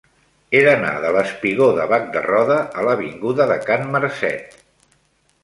He d'anar del espigó de Bac de Roda a l'avinguda de Can Marcet.